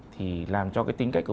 thì làm cho cái tính cách của